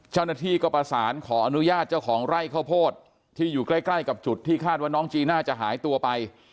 เจ้าหน้าที่ก็ประสานขออนุญาตเจ้าของไร่ข้าวโพดที่อยู่ใกล้ใกล้กับจุดที่คาดว่าน้องจีน่าจะหายตัวไป